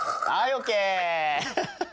ＯＫ。